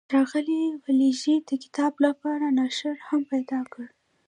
ښاغلي ولیزي د کتاب لپاره ناشر هم پیدا کړ.